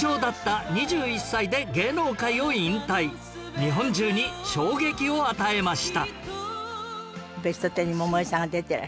日本中に衝撃を与えました